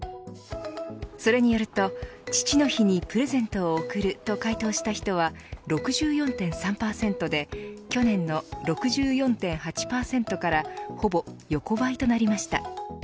それによると、父の日にプレゼントを贈ると回答した人は６４．３％で去年の６４．８％からほぼ横ばいとなりました。